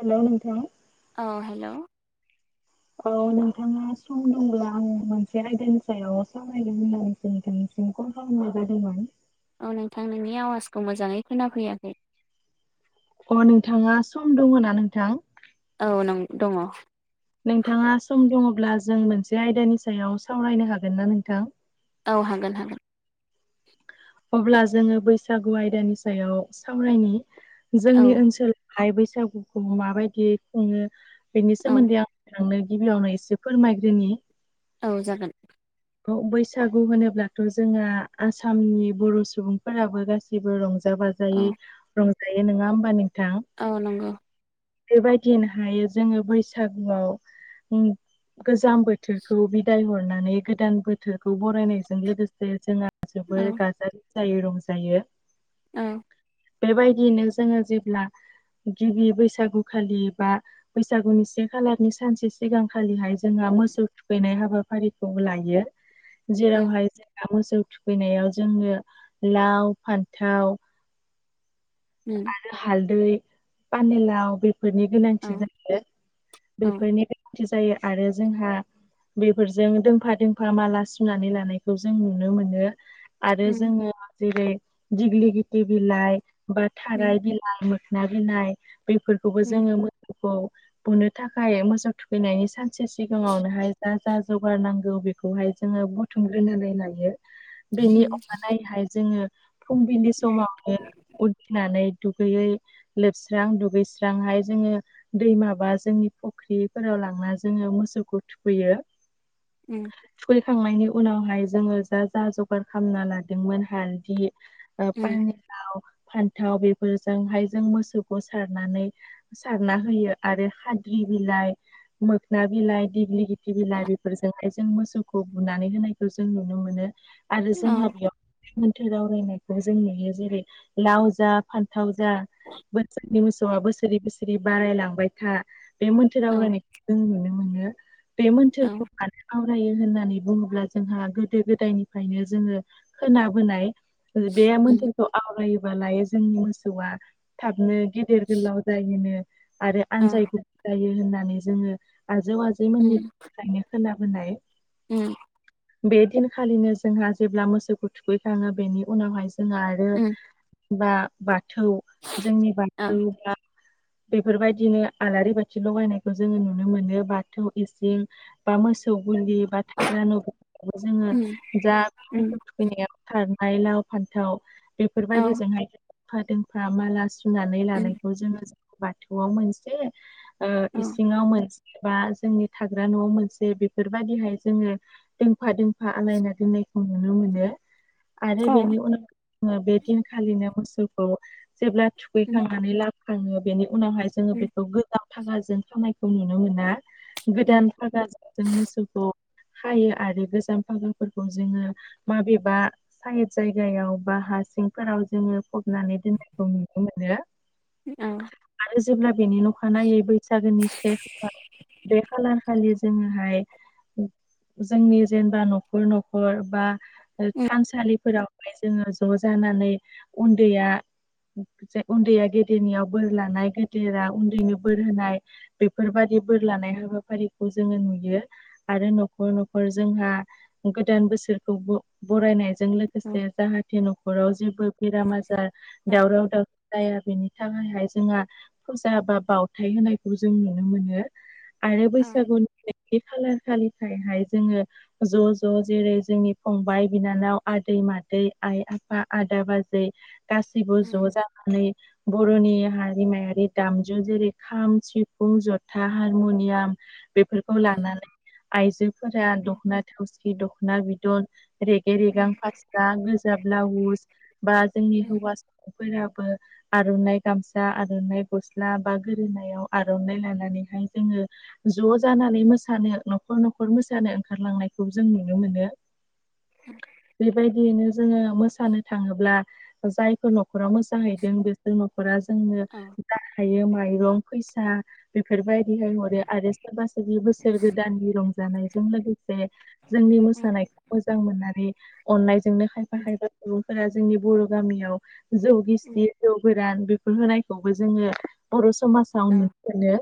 हेल' नोंथां। ओ हेल'। औ नोंथाङा सम दंब्ला आं मोनसे आयदानि सायाव सावरायदों होननानै जों नोंथानिसिम कल खालामनाय जादोंमोन। औ नोंथां नोंनि आवाजखौ मोजाङै खोनाफैयाखै। अ नोंथाङा सम दङ ना नोंथां? औ नों दङ। नोंथाङा सम दङब्ला जों मोनसे आयदानि सायाव सावरायनो हागोन ना नोंथां? औ हागोन हागोन। अब्ला जोङो बैसागु आयदानि सायाव सावरायनि औ जोंनि ओनसोल हाय बैसागुखौ माबायदि खुङो बेनि औ सोमोन्दै आं नोंनो गिबियावनो एसे फोरमायग्रोनि। औ जागोन। औ बैसागु होनोब्लाथ' जोंहा आसामनि बर' सुबुंफोराबो गासैबो रंजा औ बाजायै रंजायो नङा होमबा नोंथां? औ नंगौ। बेबायदिनो हायो जोङो बैसागुआव गोजां बोथोरखौ बिदाय हरनानै गोदान बोथोरखौ बरायनायजों लोगोसे जोंहा औ जोबोर गाजा जाय रंजायो। उम। बेबायदियैनो जोङो जेब्ला गिबि बैसागुखालि बा बैसागुनि सें खालारनि सानसे सिगांखालिहाय जोंहा मोसौ थुखैनाय हाबाफारिखौ लायो औ जेरावहाय जों मोसौ थुखैनायाव जोंङनो लाव फान्थाव उम। हालदै पानलाव बेफोरनि औ गोनांथि जायो औ बेफोरनि जायो आरो जोंहा बेफोरजों दोंफा दोंफा माला सुनानै लानायखौ जों नुनो मोनो‌ आरो उम जोङो जेरै दिग्लि गिथिर बिलाइ बा उम थाराय बि [unintelligible] मोखोना बिलाइ बेफोरखौबो उम जोङो मोसौखौ बुनो थाखाय मोसौ थुखैनायनि सानसे सिगाङावनोहाय जा जा जगार नांगौ बेखौहाय जोङो बु थुमग्रोनानै लायो बेनि अखानायैहाय जोङो फुंबिलि समावनो नानै दुगैयै लोबस्रां दुगैस्रांहाय जोङो दै माबा जोंनि फुख्रिफोराव लांना जोङो मोसौखौ थुखैयो। उम। थुखैखांनायनि उनावहाय जोङो जा जा जगार खालामना लादोंमोन हालदि बा उम पानिलाव फान्थाव बेफोरजोंहाय जों मोसौखौ सारनानै सारना होयो आरो खाद्रि बिलाइ मोखना बिलाइ दिग्लि [unintelligible] बिलाइ बेफोरजोंहाय जों मोसौखौ बुनानै होनायखौ जों नुनो मोनो आरो औ जोंहा बेयाव मोनथोर आवरायनायखौ जों नुयो जेरै लाव जा फान थाव जा बोसोरनि मोसौआ बोसोर बोसोर बारायलांबाय था। बे मोन्थोर औ आवरायनायखौ जों नुनो मोनो बे मोन्थोरखौ माने आवरायो होननानै बुङोब्ला जोंहा गोदो गोदायनिफ्रायनो जोङो खोनाबोनाय बे उम मोन्थोरखौ आवरायोबालाय जोंनि मोसौआ थाबनो गिदिर गोलाव जायोनो आरो औ आनजाय गोलाव जायो होननानै जोङो आजौ आजै जैमोननि फ्रायनो खोनाबोनाय। ओ। बे दिनखालिनो जोंहा जेब्ला मोसौखौ थुखैखाङो बेनि उनावहाय जोंहा आरो बा बाथौ जोंनि औ बाथौ उम बा बेफोरबायदिनो आलारि बाथि लगायनायखौ जोङो नुनो मोनो। बाथौ इसिं बा मोसौ गलि बा थाग्रा न'बो उम जोङो औ जा थुखैनायाव सारनाय लाव फान्थाव। बेफोरबायदि फा दोंफा माला सुनानै उम लानायखौ जोङो बाथौआव मोनसे ओ औ उम इसिङाव मोनसे बा जोंनि थाग्रा न'आव मोनसे बेफोरबायदिहाय जोङो दोंफा दोंफा आलायना दोननायखौ नुनो मोनो। आरो बेनि उनाव जोङो बे दिनखालिनो मोसौखौ जेब्ला थुखैखांनानै लाबो खाङो बेनि उनावहाय जोङो बेखौ गोजाम थानाजों थांनायखौ नुनो मोना। उम औ उम औ गोदान फागा जों मोसौखौ खायो आरो गोजाम फागाफोरखौ जोङो माबेबा साइ जायगायाव बा हा सिं फोराव जोङो फबनानै दोननायखौ नुनो मोनो। औ। आरो जेब्ला बेनि अखानायै बैसागोनि से खालार बे खालार खालि जोङोहाय जोंनि जेनेबा न'खर न'खर बा औ उम थानसालिफोरावहाय जोङो ज' जानानै उन्दैया ज उन्दैया गेदेरनियाव बोर लानाय, गेदेरा उन्दैनि बोर होनाय बेफोरबादि बोर लानाय हाबाफारिखौ जोङो नुयो। आरो न'खर न'खर जोंहा गोदान बोसोरखौ बरायनाय जों लोगोसे जाहाथे न'खराव जेबो बेराम-आजार, दावराव-दावसि जाया, बेनि थाखायहाय जोंहा फुजा बा बावथाय होनायखौ जों नुनो मोनो। आरो बैसागुनि खालार खालिफ्रायहाय जोङो ज' ज' जेरै जोंनि फंबाइ-बिनानाव, आदै-मादै, आइ-आफा आदा-बाजै गासैबो ज' उम जानानै बर'नि हारिमायारि दामजु। जेरै- खाम, सिफुं, जथा, हारमुनियाम, बेफोरखौ लानानै आइजोफोरा दख'ना थावसि दख'ना बिदन रेगे रेगां उम फास्रा गोजा ब्लाउस बा जोंनि हौवाफोराबो आर'नाइ गामसा आर'नाइ गस्ला बा गोरोनायाव आर'नाइ लानानैहाय जोङो ज' जानानै मोसानो न'खर न'खर मोसानो ओंखारलांनायखौ जों नुनो मोनो। बे बायदियैनो जोङो मोसानो थाङोब्ला जायफोर न'खरा मोसाहैदों बेसोर न'खरा जोंनो औ जा हायो माइरं, फैसा बेफोरबायदिहाय हरो आरो सोरबा सोरबा बोसोर गोदाननि रंजानायजों लोगोसे जोंनि उम मोसानायखौ मोजां मोननानै अननायजोंनो खायफा उम खायफा सुबुंफोरा जोंनि बर' गामियाव जौ गिसि, जौ गोरान, बेफोर होनायखौबो जोङो बर' समाजाव नुनो मोनो।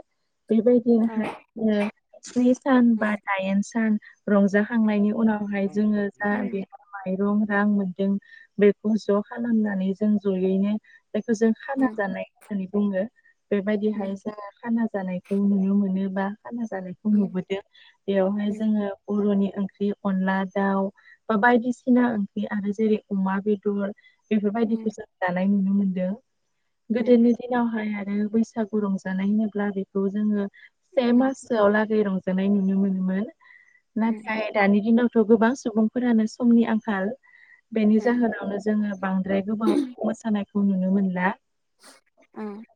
बे बायदिनोहाय स्नि सान बा दाइन सान रंजा खांनायनि उनावहाय जोङो जा बि माइरं रां मोनदों बेखौ ज' खालामनानै जों जयैनो बेखौ जों खाना जानाय होननानै बुङो। बे बायदिहाय जोङो खाना जानायखौ नुनो मोनो बा खाना जानायखौ नुबोदों। बेयावहाय जोङो बर'नि ओंख्रि अनला दाउ, बा बायदिसिना ओंख्रि आरो जेरै- अमा बेदर, बेफोरबायदिखौ जों जानाय नुनो मोनदों। गोदोनि दिनावहाय आरो बैसागु रंजानाय होनोब्ला बेखौ जोङो से मास लागै रंजानाय नुनो मोनोमोन। नाथाय दानि दिनावथ' गोबां सुबुंफोरानो समनि आंखाल। बेनि जाहोनावनो जोङो बांद्राय गोबाव मोसानायखौ नुनो मोनला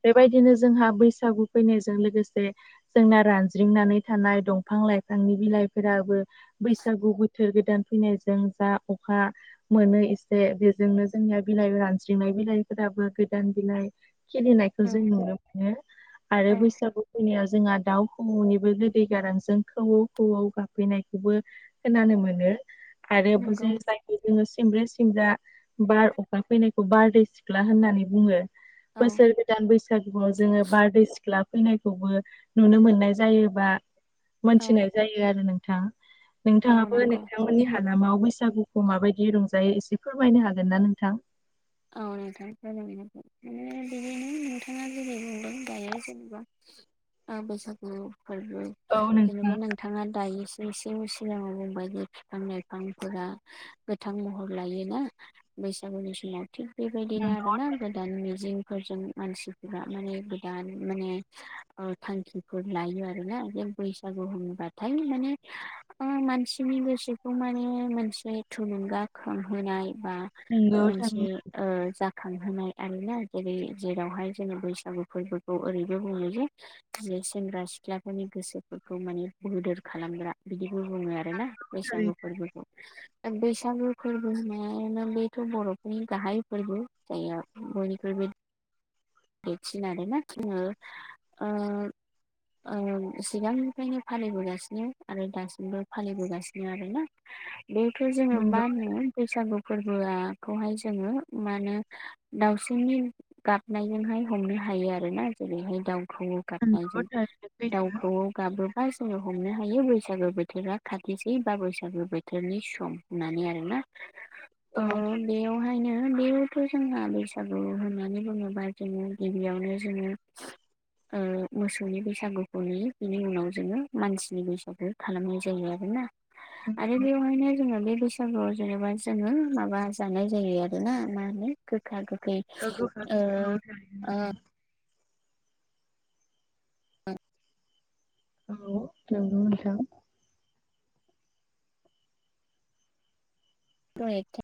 बेबायदिनो जोंहा बैसागु फैनायजों लोगोसे जोंना रानज्रिंनानै थानाय दंफां लाइफांनि बिलाइफोराबो बैसागु बोथोर गोदान फैनायजों जा अखा मोनो एसे बेजोंनो जोंनिया बिलाइ रानज्रिंनाय बिलाइफोराबो गोदान बिलाइ खलिनायखौ औ जों नुनो मोनो आरो औ बैसागु फैनायाव जोंहा दाउ खौऔनिबो गोदै गारांजों खौवौ खौवौ गाबफैनायखौबो खोनानो मोनो आरो बि नंगौ जिबायदि जोङो सिमब्रे सिमब्रा बार, अखा फैनायखौ बारदै सिख्ला होननानै बुङो औ बोसोरनि गोदान बैसागुआव जोङो बारदै सिख्ला फैनायखौबो नुनो मोननाय जायोबा औ मोनथिनाय जायो आरो नोंथां औ नोंथाङाबो नंगौ नोंथांमोननि हालामाव बैसागुखौ माबायदि दि रंजायो एसे फोरमायनो हागोन ना नोंथां? औ नोंथां रायलाय जागोन माने बिदिनो नोंथाङा जेरै बुंदों दायो जेनेबा ओ बैसागु फोरबो औ नोंथां जेनेबा नों नोंथाङा दायोसो एसे सिगाङाव बुंबायदि बिफां लाइफांफोरा गोथां महर लायोना बैसागुनि समाव थिग बेबायदिनो नंगौ आरोना गोदान मिजिंफोरजों मानसिफोरा माने गोदान माने ओ थांखिफोर लायो आरोना जों बैसागु होनोबाथाय माने ओ मानसिनि गोसोखौ माने मोनसे थुलुंगाखांहोनाय बा नंगौ थारैनो मोनसे ओ जाखांहोनाय आरोना जेरै जेरावहाय जोङो बैसागु फोरबोखौ ओरैबो बुङो जे जे सेंग्रा सिख्लाफोरनि गोसोफोरखौ माने बोदोर खालामग्रा बिदिबो बुङो आरो आरोना बैसागु थारैनो फोरबोखौ बैसागु फोरबोहोननायानो बेथ' बर'फोरनि गाहाय फोरबो जाया बयनिख्रुबो बेथिनानोना जोङो ओ ओ सिगांनिफ्रायनो फालिबोगासिनो आरो दासिमबो फालिबोगासिनो आरोना बेखो जोङो नंगौ माहोनो बैसागु फोरबोआखौहाय जोङो मा होनो दाउसिननि गाबनायजोंहाय हमनो हायो आरोना जेरैहाय दाउखौ गाबनायजों नंगौ थारैनो सैथो दाउखौवौ गाबोबा जोङो हमनो हायो बैसागो बोथोरा खाथिसै बा बैसागो बोथोरनि सम नानै आरोना औ थ' बेयावहायनो बेयावथ' जोंहा बैसागु होननानै बुङो बा गिबि गिबियावनो जोङो ओ मोसौनि बैसागुखौ नुयो बिनि उनाव जोङो मानसिनि बैसागु खालामनाय जायो आरोना आरो नंगौ। बेयावहायनो जोङो बे बैसागुआव जेनेबा जोङो माबा जानाय जायो आरोना मा होनो गोखा गोखै ओ गोख ओ ओ औ थेवद नोंथां [unintelligible]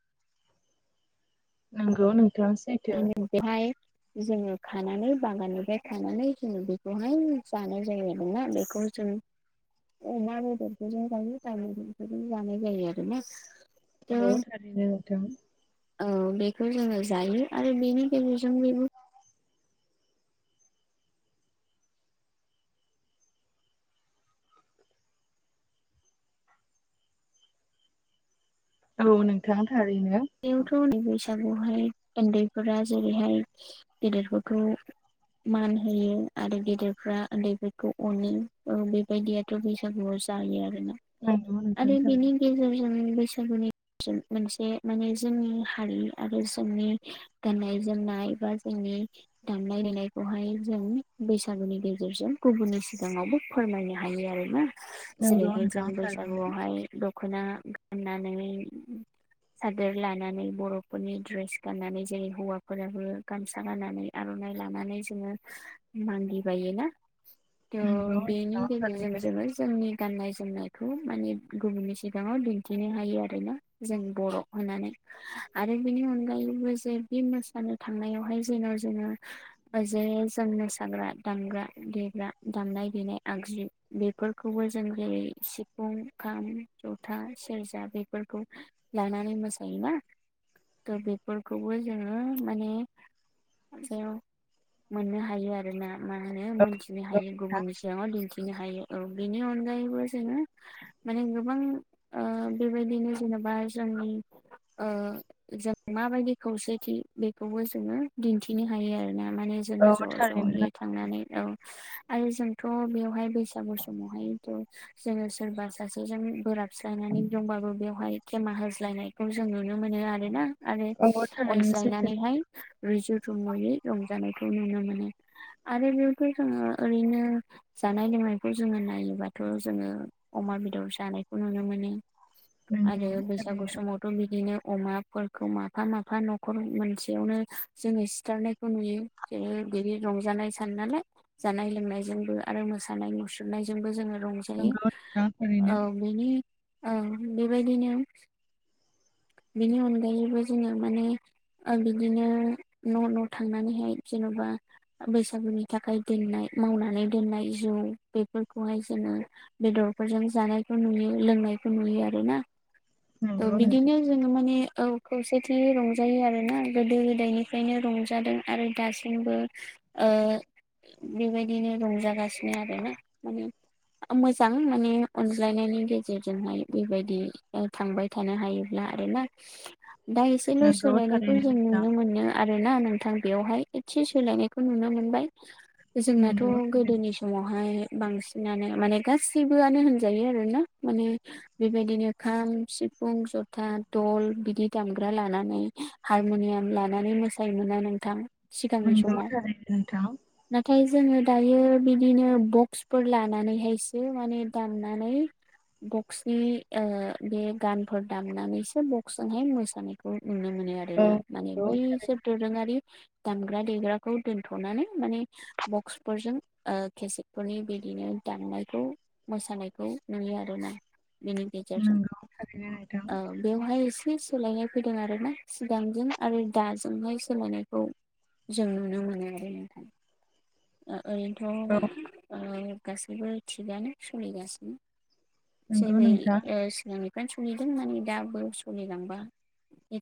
नंगौ नोंथां सैथो [unintelligible] जोङो खानानै बागाननिफ्राय खानानै जोङो बेखौहाय जानाय जायो आरोना बेखौ जों अमा बेदरफोरजों जायो ताजफोरजोंबो जानाय जायो आरोना औ थ' थारैनो नोंथां औ बेखौ जोङो जायो आरो बेनि गेजेरजों बेबो औ नोंथां थारैनो बेयावथ' बैसागुहाय उन्दैफोरा जेरैहाय गेदेर फोरखौ मान होयो आरो गेदेरफ्रा उन्दैफोरखौ अनो बेबायदि आरो बे बैसागुआव जायो आरो ना नंगौ नोंथां आरो थारैनो बेनि गेजेरजों बैसागुनि मोनसे माने जोंनि हारि आरो जोंनि गाननाय जोमनाय बा जोंनि दामनाय देनायखौहाय जों बैसागुनि गेजेरजों गुबुननि सिगाङावबो फोरमायनो हायो आरोना नंगौ जेरैहाय जों नोंथां थारैनो बैसागुआवहाय दख'ना गाननानै सादोर लानानै बर'फोरनि द्रेस गाननानै जेरै हौवाफोराबो गामसा गानानै आर'नाइ लानानै जोङो मालि बायो ना द थ' बेनि गेजेरजों जोङो जोंनि गाननाय जोमनायखौ माने गुबुननि सिगाङाव दिन्थिनो हायो आरोना जों बर' होननानै आरो बेनि अनगायैबो जे बे मोसानो थांनायावहाय जेन' जोङो ओ जे जों मोसाग्रा दामग्रा देग्रा दामनाय देनाय आगजु बेफोरखौबो जों जेरै सिफुं खाम जथा सेरजा बेफोरखौ लानानै मोसायोना थ' बेफोरखौबो जोङो माने हाथायाव मोननो हायो आरोना मा होनो औ मोनथिनो नंगौ हायो नोंथां। गुबुननि सिगाङाव दिन्थिनो हायो औ बेनि अनगायैबो जोङो माने गोबां बेबायदिनो जेनेबा जोंनि आ जों माबायदि खौसेथि बेखौबो जोङो दिन्थिनो हायो आरोना माने जेने औ ज' थारैनो ज' थांनानै औ आरो जोंथ' बेवहाय बैसागु समावहायथ' जोङो सोरबा सासेजों बोराबस्लायनानै दंबाबो बेवहाय गेमा होज्लायनायखौ जों नुनो मोनो आरो ना आरो औ थारैनो सैथो अनज्लायनानैहाय रुजु रुमुयै रंजानायखौ नुनो मोनो आरो बेयावथ' जोङो ओरैनो जानाय लोंनायखौ जोङो नायोबाथ' जोङो अमा बेदर जानायखौ नुनो मोनो नंगौ आरो बेैसागु सम थारैनो बिदिनो अमाफोरखौ माफा माफा न'खर मोनसेयावनो जोङो सिथारनायखौ नुयो जेरै बिदि रंजानाय सान नालाय जानाय लोंनायजोंबो आरो मोसानाय मुसुरनायजोंबो जोङो रंज नंगौ नोंथां थारैनो बेनि बेबायदिनो बिनि अनगायैबो जोङो माने ओं बिदिनो न' न' थांनानैहाय जेन'बा बैसागुनि थाखाय दोननाय मावनानै दोननाय जौ बेफोरखौहाय जोङो बेदरफोरजों जानायखौ नुयो लोंनायखौ नुयो आर ना नंगौ नोंथां जोङो माने औ खौसेथियै रंजायो आरो ना गोदो गोदायनिफ्रायनो रंजादों आरो दासिमबो ओ बेबायदिनो रंजागासिनो आरोना माने मोजां माने अनज्लायनायनि गेजेरजोंहाय बेबायदि ओ थांबाय थानो हायो आरोना दा एसेल' नंगौ सोलायनायखौ थारैनो जों नोंथां नुनो मोनो आरो ना नोंथां बेयावहाय एसे सोलायनायखौ नुनो मोनबाय जोंनाथ' नंगौ थारैनो गोदोनि समावहाय बांसिनानो माने गासैबोआनो होनजायो आरोना माने बेबायदिनो खाम सिफुं जथ जथा दल बिदि दामग्रा लानानै हारमुनियाम लानानै मोसायोमोन ना नोंथां सिगांनि नंगौ समाव थारैनो नोंथां नाथाय जोङो दायो बिदिनो बक्सफोर लानानैहायसो माने दामनानै बक्सनि ओ बे गानफोर दामनानैसो बक्सजोंहाय मोसानायखौ नुनो मोनो औ आरोना माने नंगौ बैसोर थारैनो दोरोङारि दामग्रा देग्राखौ दोनथ'नानै माने बक्सफोरजों ओ केसेटफोरनि बिदिनो दामनायखौ मोसानायखौ नुयो आरोना बेनि गे नंगौ थारैनो नोंथां औ बेवहाय एसे सोलायनाय फैदों आरो ना सिगांजों आरो दाजोंहाय सोलायनायखौ जों नुनो मोनो आरो नोंथां। ओ औ ओरैनोथ' ओ गासैबो थिगानो सोलिगासिनो। नंगौ जेरै- नोंथां ओ सिगांनिफ्रायनो सलिदों माने दाबो सलिलांबा